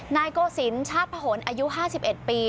นายโกศิลป์ชาติผนอายุ๕๑ปี